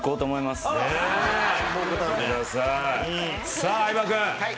さあ相葉君。はい。